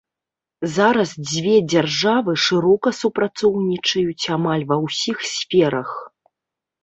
Зараз дзве дзяржавы шырока супрацоўнічаюць амаль ва ўсіх сферах.